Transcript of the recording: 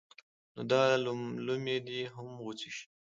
نو دا لومې دې هم غوڅې شي.